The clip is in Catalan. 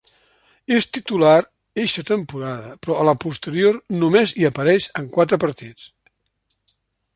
És titular eixa temporada però a la posterior només hi apareix en quatre partits.